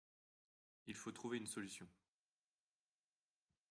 Il faut trouver une solution.